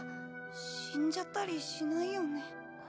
死んじゃったりしないよね？